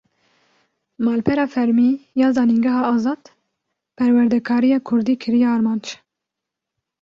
Malpera fermî ya Zanîngeha Azad, perwerdekariya Kurdî kiriye armanc